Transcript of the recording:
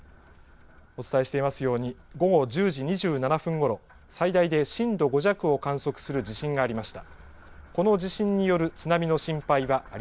お伝えしていますように、午後１０時２７分ごろ最大で震度５弱を観測する地震がありました。